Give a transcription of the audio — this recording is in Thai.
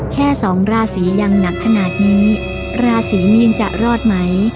แค่สองราศียังหนักขนาดนี้ราศีมีนจะรอดไหม